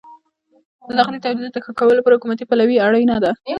د داخلي تولیداتو د ښه کولو لپاره حکومتي پلوي اړینه ده.